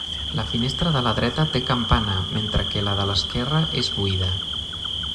La finestra de la dreta té campana mentre que la de l'esquerra és buida.